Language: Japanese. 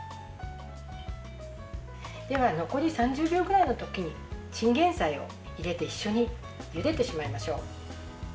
では、残り３０秒くらいのときにチンゲンサイを入れて一緒にゆでてしまいましょう。